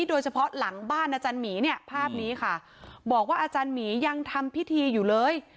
โดยเฉพาะหลังบ้านอาจารย์หมีเนี่ยภาพนี้ค่ะบอกว่าอาจารย์หมียังทำพิธีอยู่เลย